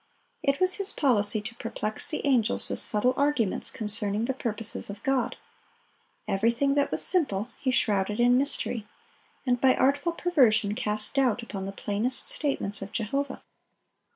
It was his policy to perplex the angels with subtle arguments concerning the purposes of God. Everything that was simple he shrouded in mystery, and by artful perversion cast doubt upon the plainest statements of Jehovah.